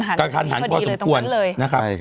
มีการคันฐานกว่าสมควรนะครับ